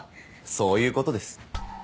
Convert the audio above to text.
そういうことです